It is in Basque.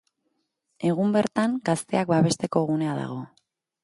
Egun bertan gazteak babesteko gunea dago.